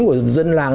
của dân làng